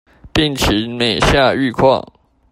病情每下愈況